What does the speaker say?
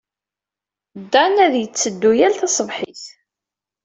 Dan ad yetteddu yal taṣebḥit.